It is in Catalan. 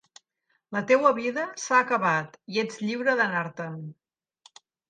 La teua vida s’ha acabat i ets lliure d’anar-te'n.